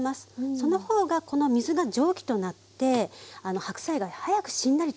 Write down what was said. その方がこの水が蒸気となって白菜が早くしんなりとします。